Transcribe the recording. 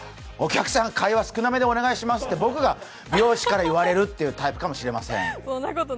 お客さん、会話少なめでお願いしますって僕が美容師から言われるっていうタイプかもしれません。